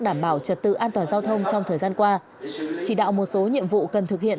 đảm bảo trật tự an toàn giao thông trong thời gian qua chỉ đạo một số nhiệm vụ cần thực hiện